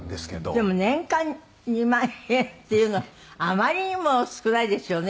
でも年間２万円っていうのはあまりにも少ないですよね。